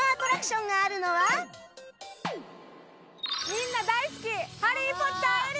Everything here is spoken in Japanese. みんな大好きハリー・ポッター・エリアです！